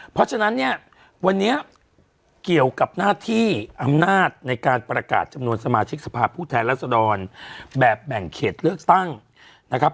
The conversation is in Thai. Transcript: เพราะฉะนั้นเนี่ยวันนี้เกี่ยวกับหน้าที่อำนาจในการประกาศจำนวนสมาชิกสภาพผู้แทนรัศดรแบบแบ่งเขตเลือกตั้งนะครับ